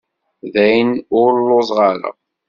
Dayen, ur lluẓeɣ ara.